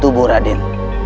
di dalam tubuh raden